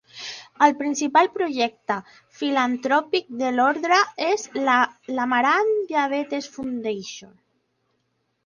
El principal projecte filantròpic de l'ordre és l'Amaranth Diabetes Foundation.